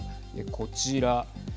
こちら。